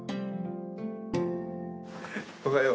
おはよう。